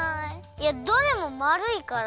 いやどれもまるいから。